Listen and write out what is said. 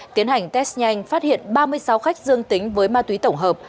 tiến hành test nhanh phát hiện ba mươi sáu khách dương tính với ma túy tổng hợp